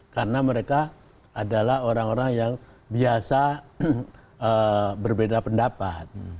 karena mereka adalah orang orang yang biasa berbeda pendapat